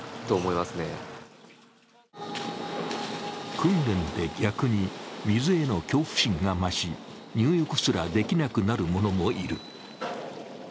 訓練で逆に水への恐怖心が増し入浴すらできなくなる者もいる。